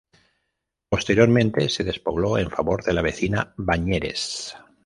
Posteriormente, se despobló en favor de la vecina Bañeres.